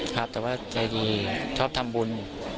ครับแต่ว่าใจดีชอบทำบุญ